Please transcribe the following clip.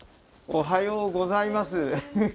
おはようございます。